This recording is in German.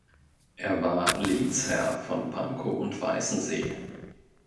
Er war Lehnsherr von Pankow und Weißensee.